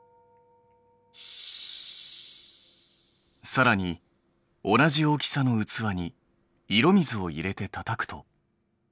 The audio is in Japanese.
さらに同じ大きさの器に色水を入れてたたくと。